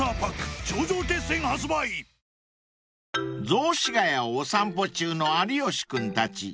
［雑司が谷をお散歩中の有吉君たち］